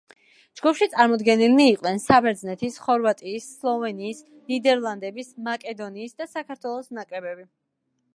ჯგუფში წარმოდგენილნი იყვნენ საბერძნეთის, ხორვატიის, სლოვენიის, ნიდერლანდის, მაკედონიის და საქართველოს ნაკრებები.